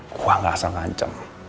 gua gak asal ngancam